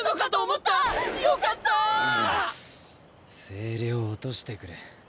声量落としてくれ。